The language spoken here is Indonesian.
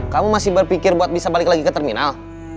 kamu masih berpikir buat bisa balik lagi ke terminal